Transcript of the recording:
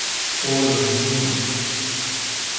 صلح دوست